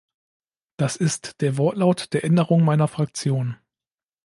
Das ist der Wortlaut der Änderung meiner Fraktion.